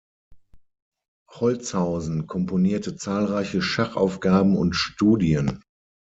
Holzhausen komponierte zahlreiche Schachaufgaben und Studien.